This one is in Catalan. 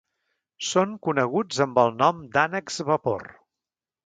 Són coneguts amb el nom d'ànecs vapor.